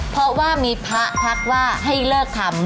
เพราะว่ามีพระทักว่าให้เลิกทำ